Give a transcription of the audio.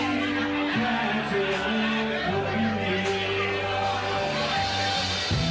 ก็เจอที่มาไม่เคยจนเข้าใจ